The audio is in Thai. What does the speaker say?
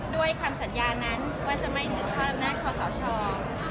ด้วยคำสัญญานั้นว่าไม่ถือข้อลำนาจของส่อชอม